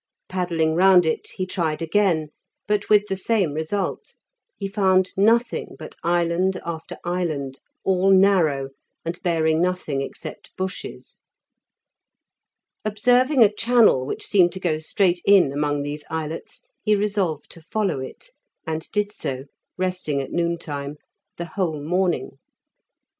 Paddling round it, he tried again, but with the same result; he found nothing but island after island, all narrow, and bearing nothing except bushes. Observing a channel which seemed to go straight in among these islets, he resolved to follow it, and did so (resting at noon time) the whole morning.